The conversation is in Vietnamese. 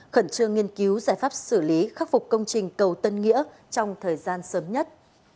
khẩn trương nghiên cứu giải pháp xử lý khắc phục công trình cầu tân nghĩa trong thời gian sớm nhất